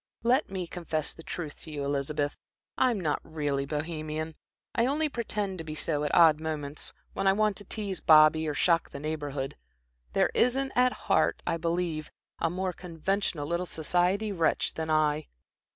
Let me confess the truth to you, Elizabeth. I'm not really Bohemian I only pretend to be so at odd moments, when I want to tease Bobby, or shock the Neighborhood. There isn't at heart, I believe, a more conventional little society wretch than I.